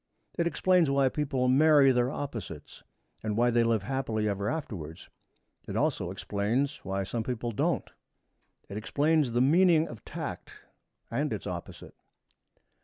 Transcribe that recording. It explains why people marry their opposites and why they live happily ever afterwards. It also explains why some people don't. It explains the meaning of tact and its opposite.